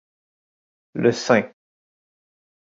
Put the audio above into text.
Le St.